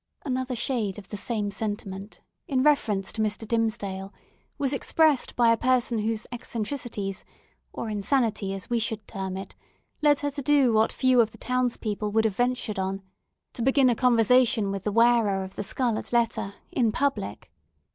Another shade of the same sentiment, in reference to Mr. Dimmesdale, was expressed by a person whose eccentricities—insanity, as we should term it—led her to do what few of the townspeople would have ventured on—to begin a conversation with the wearer of the scarlet letter in public.